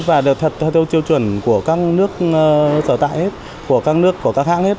và đều theo tiêu chuẩn của các nước sở tại hết của các nước của các hãng hết